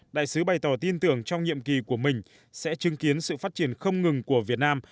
đại sứ bày tỏ tin tưởng trong nhiệm kỳ của mình sẽ chứng kiến sự phát triển không ngừng của việt nam